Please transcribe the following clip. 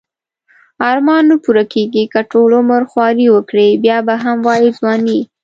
ارمان نه پوره کیږی که ټول عمر خواری وکړی بیا به هم وایی ځوانی